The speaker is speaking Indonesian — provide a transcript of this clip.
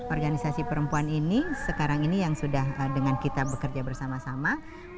organisasi perempuan ini sekarang ini yang sudah dengan kita bekerja bersama sama